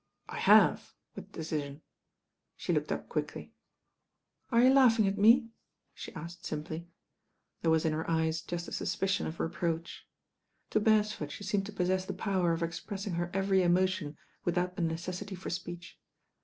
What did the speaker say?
"I have," with decision. She looked up quickly. "Are you laughing at me?" she asked simply. There was in her eyes just a suspicion of reproach. To Beresford she seemed to possess the power of expressing her every emotion without the necessity for speech.